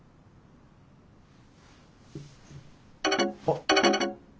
あっ。